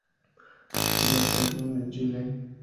Quilapayún ¡en Chile!